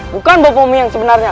bukan bopongmu yang sebenarnya